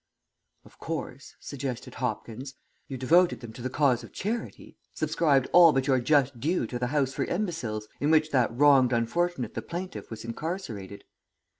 "Of course," suggested Hopkins, "you devoted them to the cause of charity; subscribed all but your just due to the House for Imbeciles, in which that wronged unfortunate the plaintiff was incarcerated?"